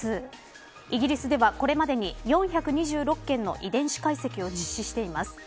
イギリスではこれまでに４２６件の遺伝子解析を実施しています。